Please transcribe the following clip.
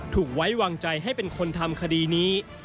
ถูกไว้วางใจให้เป็นคนทำคดีนี้